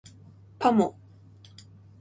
パモ